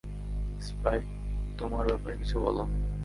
Sprite, তোমার ব্যাপারে কিছু বলো।